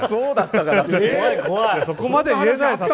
そこまで言えないです